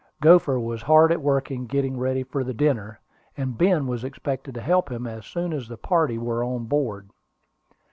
Gopher was hard at work getting ready for the dinner, and Ben was expected to help him as soon as the party were on board.